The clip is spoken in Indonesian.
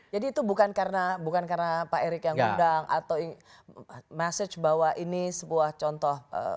jadi itu bukan karena pak erik yang undang atau message bahwa ini sebuah contoh